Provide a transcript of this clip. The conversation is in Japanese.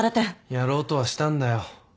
やろうとはしたんだよ。